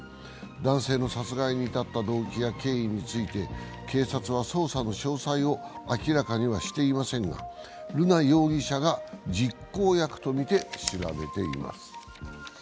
男性の殺害に至った動機や経緯について警察は捜査の詳細を明らかにはしていませんが瑠奈容疑者が実行役とみて調べています。